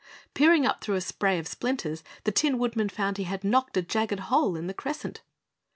Peering up through a spray of splinters, the Tin Woodman found he had knocked a jagged hole in the Crescent.